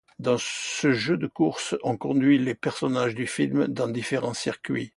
Dans ce jeu de course, on conduit les personnages du film dans différents circuits.